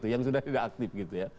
yang sudah tidak aktif